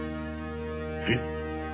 えっ！？